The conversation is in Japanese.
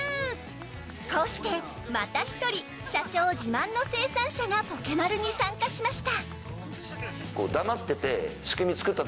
こうしてまた１人社長自慢の生産者がポケマルに参加しました。